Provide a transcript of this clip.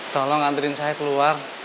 tolong antriin saya keluar